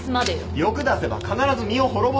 「欲出せば必ず身を滅ぼす。